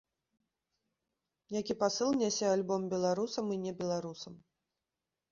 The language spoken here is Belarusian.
Які пасыл нясе альбом беларусам і небеларусам?